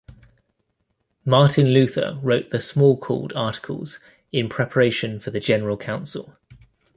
Martin Luther wrote the Smalcald Articles in preparation for the general council.